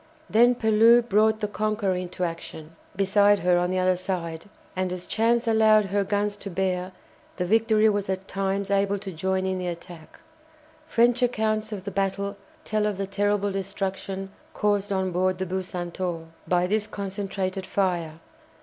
Then Pellew brought the "Conqueror" into action beside her on the other side, and as chance allowed her guns to bear the "Victory" was at times able to join in the attack. French accounts of the battle tell of the terrible destruction caused on board the "Bucentaure" by this concentrated fire.